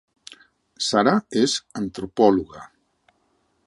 Sara és antropòloga